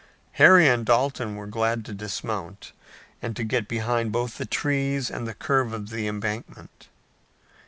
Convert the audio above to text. Harry and Dalton were glad to dismount and to get behind both the trees and the curve of the embankment.